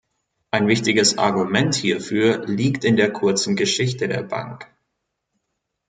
Ein wichtiges Argument hierfür liegt in der kurzen Geschichte der Bank.